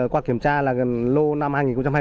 qua kiểm tra lô năm hai nghìn hai mươi